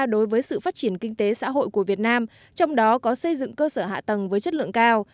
đối với sự phát triển kinh tế xã hội của việt nam trong đó có xây dựng cơ sở hạ tầng với chất lượng cao